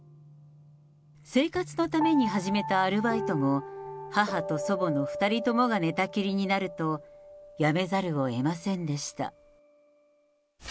生活のために始めたアルバイトも、母と祖母の２人ともが寝たきりになると、辞めざるをえませんでした。